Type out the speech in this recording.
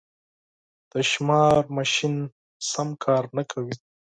د شمېر ماشین سم کار نه کوي.